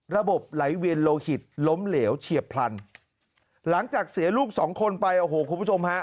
ระบบไหลเวียนโลหิตล้มเหลวเฉียบพลันหลังจากเสียลูกสองคนไปโอ้โหคุณผู้ชมฮะ